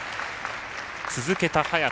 続けた早田。